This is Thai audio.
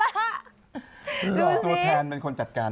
สุธรรมเป็นคนจัดการ